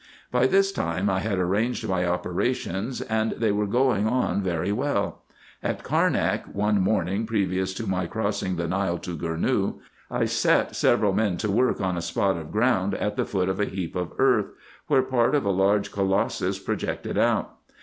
By this time I had arranged my operations, and they were going on very well. At Carnak, one morning previous to my crossing the Nile to Gournou, I set several men to work on a spot of ground at the foot of a heap of earth, where part of a large colossus projected out.